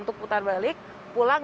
untuk putar balik pulang